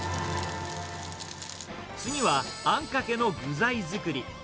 次は、あんかけの具材作り。